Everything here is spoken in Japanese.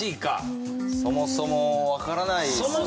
そもそもわからないですね